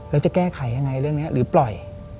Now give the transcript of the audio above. แล้วจะแก้ไขยังไงเรื่องนี้หรือปล่อย